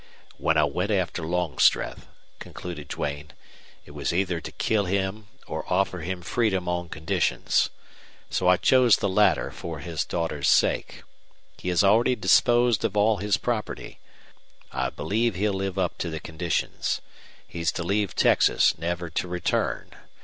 "When I went after Longstreth," concluded Duane, "it was either to kill him or offer him freedom on conditions. So I chose the latter for his daughter's sake. He has already disposed of all his property. I believe he'll live up to the conditions. He's to leave Texas never to return.